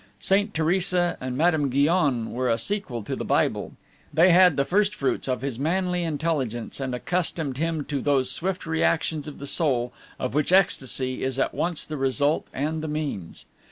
Saint Theresa and Madame Guyon were a sequel to the Bible; they had the first fruits of his manly intelligence, and accustomed him to those swift reactions of the soul of which ecstasy is at once the result and the means.